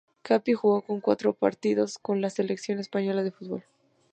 Capi jugó cuatro partidos con la selección española de fútbol.